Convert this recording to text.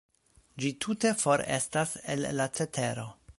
Ĝi tute forestas el la cetero.